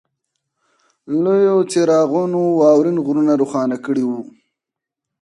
لویو څراغونو واورین غرونه روښانه کړي وو